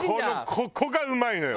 ここがうまいのよ。